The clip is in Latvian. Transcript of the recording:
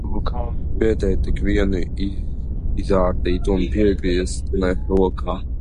Pietiek tik vienu izārdīt un piegrieztne rokā.